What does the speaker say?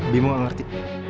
bimu gak ngerti